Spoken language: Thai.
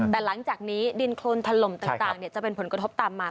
แต่หลังจากนี้ดินโครนถล่มต่างจะเป็นผลกระทบตามมา